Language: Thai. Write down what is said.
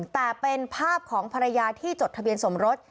แต่เป็นภาพของภรรยาที่จดทะเบียนสมรส